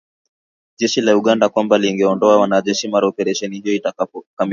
jeshi la Uganda kwamba lingeondoa wanajeshi mara operesheni hiyo itakapokamilika